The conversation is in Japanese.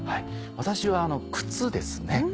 私は靴ですね。